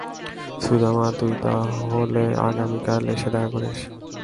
সুদামা, তুই তাহলে আগামীকাল এসে দেখা করিস।